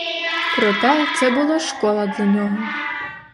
Проте, це була школа для нього.